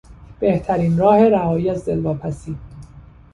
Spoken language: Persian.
بهترین راه رهایی از دلواپسی